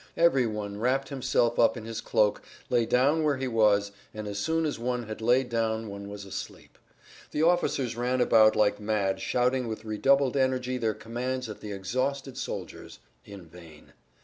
Every one wrapped himself up in his cloak, lay down where he was, and as soon as one had laid down one was asleep. The officers ran about like mad shouting with redoubled energy their commands at the exhausted soldiers; in vain.